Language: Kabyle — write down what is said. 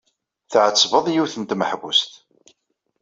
Tɛettbed yiwet n tmeḥbust.